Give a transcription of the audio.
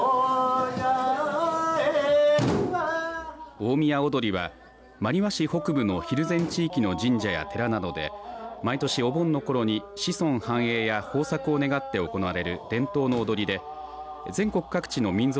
大宮踊は真庭市北部の蒜山地域の神社や寺などで毎年お盆のころに子孫繁栄や豊作を願って行われる伝統の踊りで全国各地の民俗